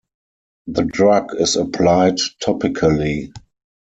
The drug is applied topically.